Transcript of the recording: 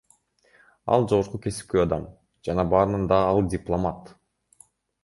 Ал — жогорку кесипкөй адам, жана барынан да ал дипломат.